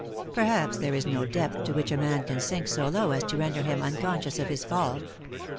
Perhaps there is no depth to which a man can sink so low as to render him unconscious of his fall.